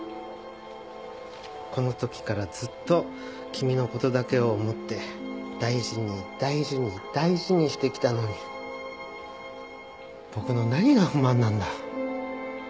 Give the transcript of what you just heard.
この時からずっと君の事だけを思って大事に大事に大事にしてきたのに僕の何が不満なんだ？